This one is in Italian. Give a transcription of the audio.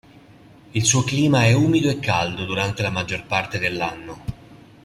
Il suo clima è umido e caldo durante la maggior parte dell'anno.